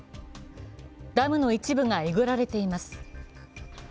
ダムの一部がえぐられています。